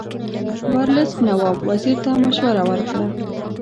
ورلسټ نواب وزیر ته مشوره ورکړه.